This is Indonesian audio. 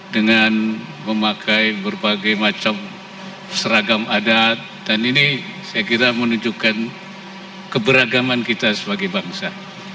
dengan memakai berbagai macam seragam adat dan ini saya kira menunjukkan keberagaman kita sebagai bangsa